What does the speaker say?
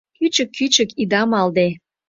«Кӱчык-кӱчык» ида малде